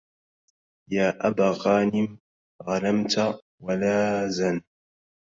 يا أبا غانم غنمت ولازا